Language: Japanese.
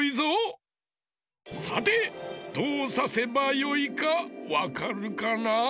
さてどうさせばよいかわかるかな？